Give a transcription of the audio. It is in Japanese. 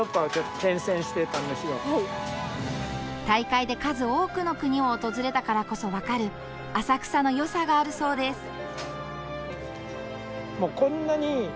大会で数多くの国を訪れたからこそ分かる浅草のよさがあるそうです。